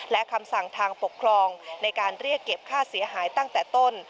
และคำสั่งทางปกครองในการเรียกเก็บค่าเสียหายตั้งแต่ต้น